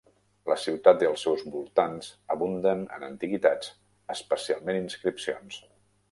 La ciutat i els seus voltants abunden en antiguitats, especialment inscripcions.